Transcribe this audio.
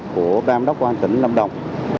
của ban đốc quan tỉnh lâm đồng